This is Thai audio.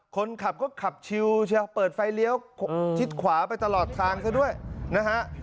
คนขับก็ขับชิลเชียวเปิดไฟเลี้ยวชิดขวาไปตลอดทางซะด้วยนะฮะ